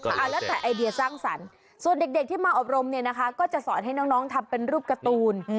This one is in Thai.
เอาแล้วแต่ไอเดียสร้างสรรค์ส่วนเด็กที่มาอบรมเนี่ยนะคะก็จะสอนให้น้องทำเป็นรูปการ์ตูน